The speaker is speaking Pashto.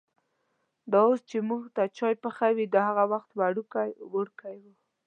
دا اوس چې مونږ ته چای پخوي، دا هغه وخت وړوکی وړکی و.